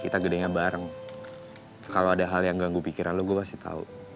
kita gedenya bareng kalau ada hal yang ganggu pikiran lo gue pasti tau